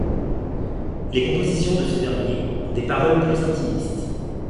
Les compositions de ce dernier ont des paroles plus intimistes.